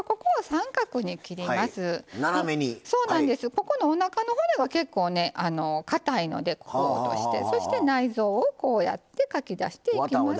ここのおなかの骨が結構かたいのでここを落としてそして内臓をこうやってかき出していきます。